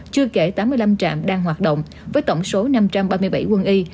chưa kể tám mươi năm trạm đang hoạt động với tổng số năm trăm ba mươi bảy quân y